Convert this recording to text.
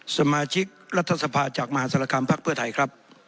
สมาชิกรัฐศพาจากมหัวศาลกรรมภักดิ์เพื่อไถ่